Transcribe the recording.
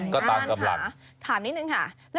ก็ตามกำตัด